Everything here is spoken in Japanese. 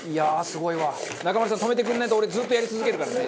中丸さん止めてくれないと俺ずっとやり続けるからね